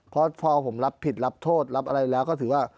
เพราะพอผมรับผิดรับโทษรับอะไรแล้วก็ถือว่า